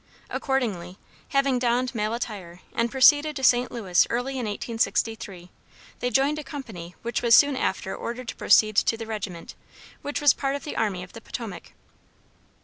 Accordingly, having donned male attire and proceeded to St. Louis early in 1863, they joined a company which was soon after ordered to proceed to the regiment, which was a part of the army of the Potomac.